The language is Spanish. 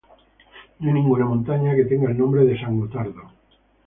No hay ninguna montaña que tenga el nombre de San Gotardo.